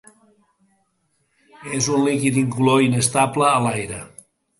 És un líquid incolor inestable a l'aire.